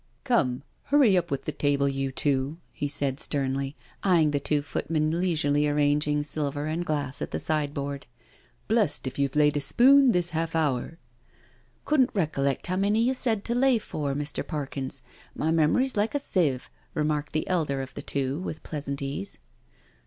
" Come, hurry up with that table, you two," he said, sternly eyeing the two footmen leisurely arranging silver and glass at the sideboard. " Blest if you've laid a spoon this half hour I" " Couldn't recollect how many you said to lay for, Mr. Parkins; my memory's like a sieve," remarked the elder of the two, with pleasant ease.